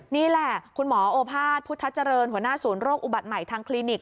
นี่แหละคุณหมอโอภาษพุทธเจริญหัวหน้าศูนย์โรคอุบัติใหม่ทางคลินิก